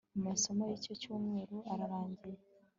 Amasomo y icyo cyumweru ararangiye